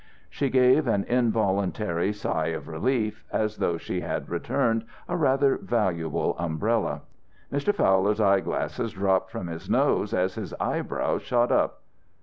She gave an involuntary sigh of relief, as though she had returned a rather valuable umbrella. Mr. Fowl's eyeglasses dropped from his nose as his eyebrows shot up.